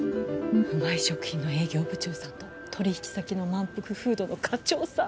ウマイ食品の営業部長さんと取引先のまんぷくフードの課長さん。